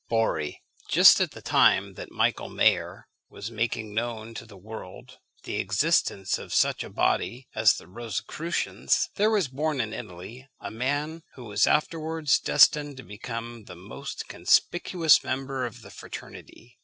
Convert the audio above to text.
BORRI. Just at the time that Michael Mayer was making known to the world the existence of such a body as the Rosicrucians, there was born in Italy a man who was afterwards destined to become the most conspicuous member of the fraternity.